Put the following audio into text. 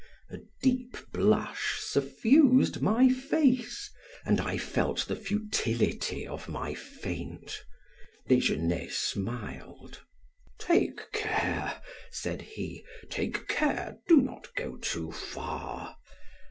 A deep blush suffused my face and I felt the futility of my feint. Desgenais smiled. "Take care," said he, "take care, do not go too far."